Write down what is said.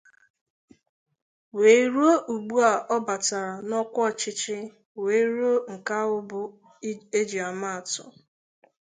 wee ruo ugbua ọ batara n'ọkwa ọchịchị wee rụọ nke ahụ bụ ejiamaatụ